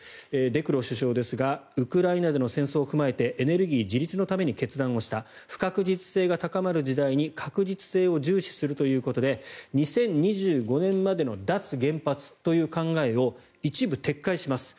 デクロー首相ですがウクライナでの戦争を踏まえてエネルギー自立のために決断をした不確実性が高まる時代に確実性を重視するということで２０２５年までの脱原発という考えを一部撤回します。